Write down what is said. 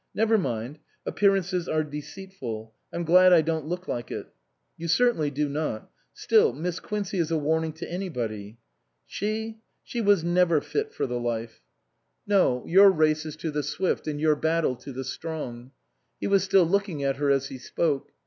"Never mind. Appearances are deceitful. I'm glad I don't look like it." " You certainly do not. Still, Miss Quincey is a warning to anybody." " She ? She was never fit for the life." 239 SUPERSEDED " No. Your race is to the swift and your battle to the strong." He was still looking at her as he spoke.